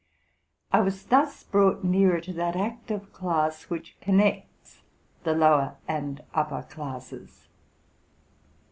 I was thus brought nearer to that active class which connects the lower and upper classes.